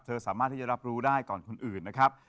สามารถที่จะรับรู้ได้ก่อนคนอื่นนะครับ